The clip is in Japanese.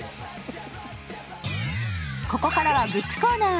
ここからはブックコーナー。